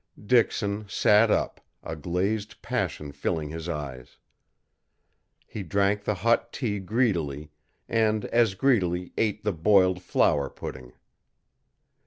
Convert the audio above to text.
Dixon sat up, a glazed passion filling his eyes. He drank the hot tea greedily, and as greedily ate the boiled flour pudding.